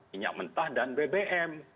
minyak mentah dan bbm